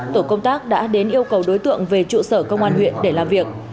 tổ công tác đã đến yêu cầu đối tượng về trụ sở công an huyện để làm việc